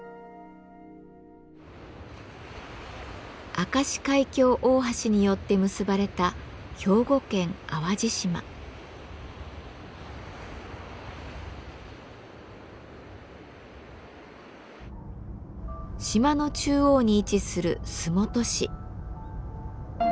明石海峡大橋によって結ばれた島の中央に位置する洲本市。